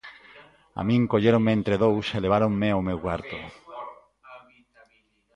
A min colléronme entre dous e leváronme ó meu cuarto.